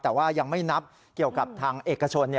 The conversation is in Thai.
แต่ว่ายังไม่นับเกี่ยวกับทางเอกชน